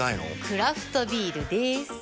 クラフトビールでーす。